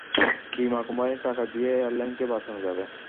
বীমা কোম্পানির টাকা দিয়ে এয়ারলাইনকে বাঁচানো যাবে।